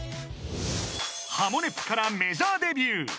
［『ハモネプ』からメジャーデビュー］